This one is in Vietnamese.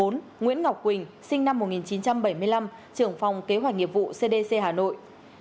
bốn nguyễn ngọc quỳnh sinh năm một nghìn chín trăm bảy mươi năm trưởng phòng kế hoạch nghiệp vụ cdc hà nội